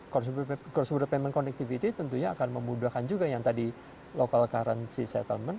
corsure payment connectivity tentunya akan memudahkan juga yang tadi local currency settlement